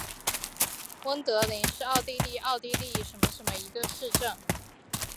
温德灵是奥地利上奥地利州格里斯基尔兴县的一个市镇。